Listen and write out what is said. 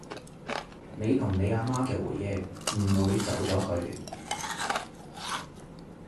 你同你阿媽嘅回憶唔會走咗去